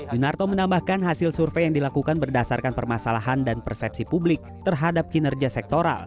yunarto menambahkan hasil survei yang dilakukan berdasarkan permasalahan dan persepsi publik terhadap kinerja sektoral